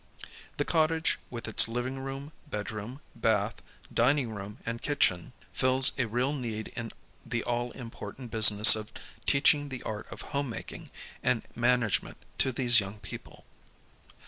The cottage with its living room, bedroom, bath, dining room, and kitchen, fills a real need in the all important business of teaching the art of home making and management to these young people.